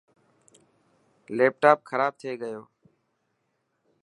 ليپٽاپ کراب ٿي گيو.